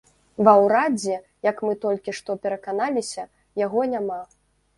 Ва ўрадзе, як мы толькі што пераканаліся, яго няма.